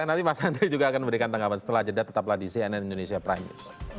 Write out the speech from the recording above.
nanti mas andri juga akan memberikan tanggapan setelah jeda tetaplah di cnn indonesia prime